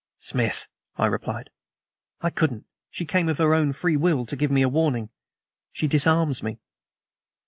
"Smith," I replied, "I couldn't. She came of her own free will to give me a warning. She disarms me."